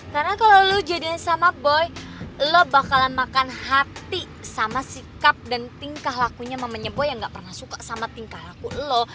karena kalau lo jadian sama boy lo bakalan makan hati sama sikap dan tingkah lakunya mamanya boy yang gak pernah suka sama tingkah laku lo